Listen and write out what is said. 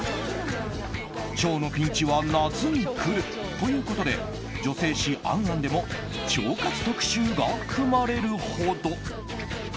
腸のピンチは夏に来るということで女性誌「ａｎａｎ」でも腸活特集が組まれるほど。